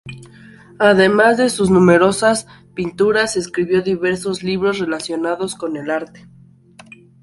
Además de sus numerosas pinturas, escribió diversos libros relacionados con el arte.